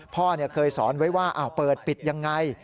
พ่อเคยสอนไว้ว่าเปิดปิดยังไง